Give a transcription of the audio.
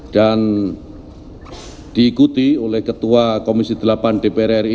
dan diikuti oleh ketua komisi delapan dpr ri